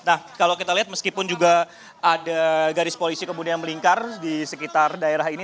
nah kalau kita lihat meskipun juga ada garis polisi kemudian melingkar di sekitar daerah ini